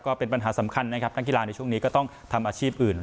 ก็เป็นปัญหาสำคัญนะครับนักกีฬาในช่วงนี้ก็ต้องทำอาชีพอื่น